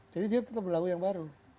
jadi dia tetap berlaku yang baru